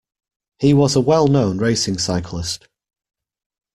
He was a well-known racing cyclist.